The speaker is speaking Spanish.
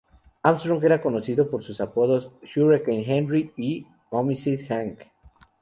Armstrong era conocido por sus apodos de "Hurricane Henry" y "Homicide' Hank".